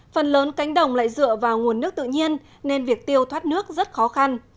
phần lớn cánh đồng lại dựa vào nguồn nước tự nhiên nên việc tiêu thoát nước rất khó khăn